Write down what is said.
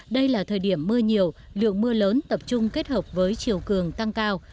đây là thời điểm mưa nhiều lượng mưa lớn tập trung kết hợp với chiều cường tăng cao